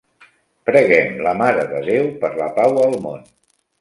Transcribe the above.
Preguem la Mare de Déu per la pau al món.